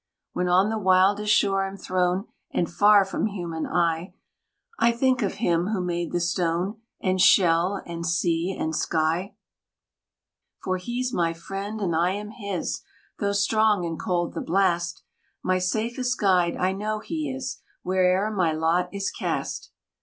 "When on the wildest shore I'm thrown And far from human eye, I think of him who made the stone, And shell, and sea, and sky. "For he's my Friend and I am his! Though strong and cold the blast, My safest guide I know he is Where'er my lot is cast."